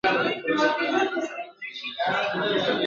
ماشومان د ټولني راتلونکي جوړوونکي دي.